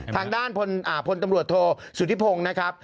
ทางด้านพลตำรวจโทษสุธิพงศ์นะครับ